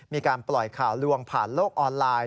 มีการปล่อยข่าวลวงผ่านโลกออนไลน์